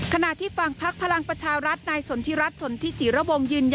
ขณะที่ฟังภักดิ์พลังประชารัฐในสนทิรัฐสนทิศิระบงยืนยันว่า